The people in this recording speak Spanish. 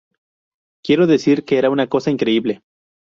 Quiero decir, que era una cosa increíble.